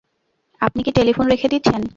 আপনি কি টেলিফোন রেখে দিচ্ছেন?